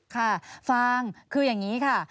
ฟังคืออย่างนี้ค่ะ